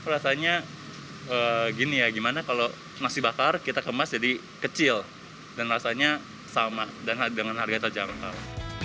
rasanya gini ya gimana kalau nasi bakar kita kemas jadi kecil dan rasanya sama dan dengan harga terjangkau